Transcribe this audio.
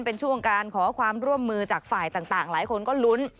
เป็นช่วงการขอความร่วมมือจากฝ่ายต่างหลายคนก็ลุ้น